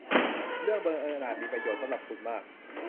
เรื่องบังเอิญอาจมีประโยชน์สำหรับคุณมาก